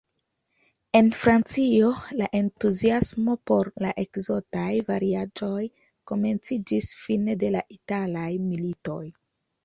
En Francio, la entuziasmo por la ekzotaj variaĵoj komenciĝis fine de la italaj militoj.